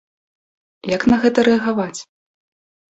Як на гэта рэагаваць?